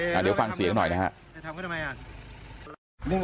เดี๋ยวฟังเสียงหน่อยนะฮะ